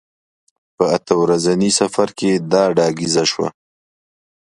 په اته ورځني سفر کې دا ډاګیزه شوه.